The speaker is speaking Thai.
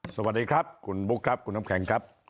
สวัสดีครับคุณบุ๊คครับคุณน้ำแข็งครับ